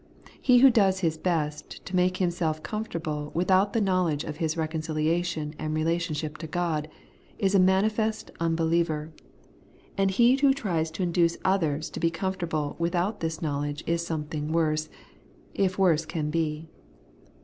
He who does his best to make himself comfortable without the knowledge of his reconciliation and relationship to God, is a manifest unbeliever; and he who tries to induce others to be comfortable without this knowledge is something worse ; if worse can be.